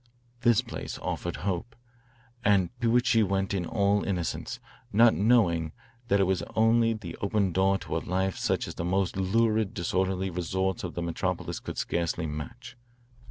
This place offered hope, and to it she went in all innocence, not knowing that it was only the open door to a life such as the most lurid disorderly resorts of the metropolis could scarcely match.